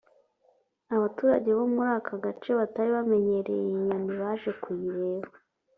Abaturage bo muri aka gace batari bamenyereye iyi nyoni baje kuyireba